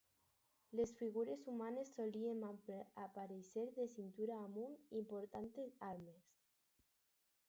Les figures humanes solien aparèixer de cintura en amunt i portant armes.